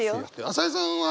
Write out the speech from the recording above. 朝井さんは？